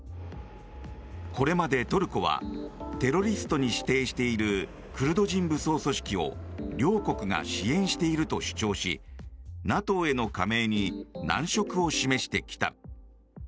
これまで、トルコはテロリストに指定しているクルド人武装組織を両国が支援していると主張しＮＡＴＯへの加盟に難色を示してきた。